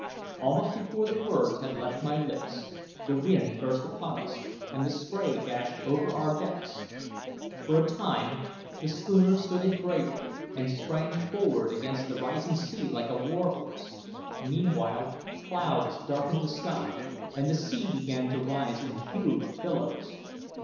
Almost before the words had left my lips the wind burst upon us, and the spray dashed over our decks. For a time the schooner stood it bravely, and sprang forward against the rising sea like a war horse. Meanwhile clouds darkened the sky, and the sea began to rise in huge billows.